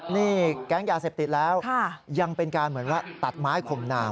นี่แก๊งยาเสพติดแล้วยังเป็นการเหมือนว่าตัดไม้ข่มนาม